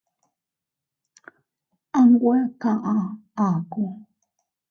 Anwe kaʼa akuu.